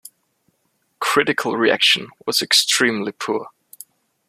Critical reaction was extremely poor.